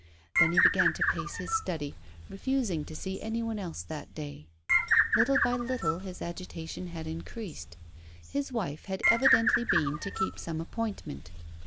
Then he began to pace his study, refusing to see any one else that day. Little by little his agitation had increased. His wife had evidently been to keep some appointment.